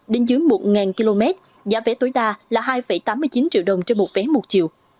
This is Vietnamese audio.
đến dưới một km giá vé tối đa là hai tám mươi chín triệu đồng trên một vé một chiều